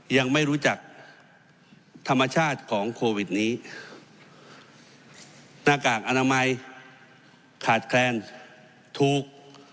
ยังไม่รู้จักธรรมชาติของโควิดนี้หน้ากากอนามัยขาดแคลนถูก